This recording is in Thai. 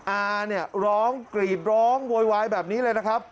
อาเนี่ยร้องกรีดร้องโวยวายแบบนี้เลยนะครับ